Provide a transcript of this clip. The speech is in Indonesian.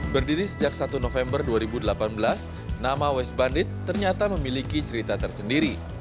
berdiri sejak satu november dua ribu delapan belas nama west bandit ternyata memiliki cerita tersendiri